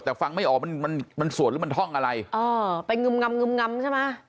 แต่ฟังไม่ออกมันมันสวดหรือมันท่องอะไรเออไปงึมงำงึมงำใช่ไหม